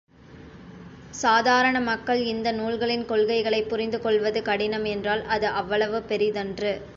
சாதாரண மக்கள் இந்த நூல்களின் கொள்கைகளைப் புரிந்துகொள்வது கடினம் என்றால், அது அவ்வளவு பெரிதன்று.